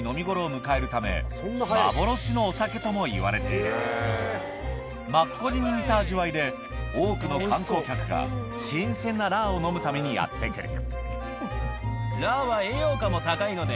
実は取れたての新鮮な状態で発酵するとのお酒にともいわれているマッコリに似た味わいで多くの観光客が新鮮なラーを飲むためにやって来る